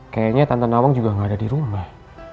kayanya tante nawang juga gak ada dirumah